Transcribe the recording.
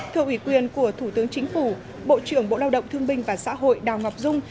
thưa ủy quyền của thủ tướng chính phủ bộ trưởng bộ lao động thương binh và xã hội đào ngọc dung